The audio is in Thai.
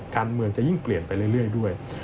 การเมืองจะยิ่งเปลี่ยนไปเรื่อยด้วย